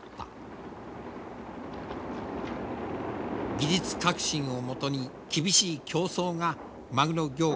技術革新をもとに厳しい競争がマグロ業界の中で行われた。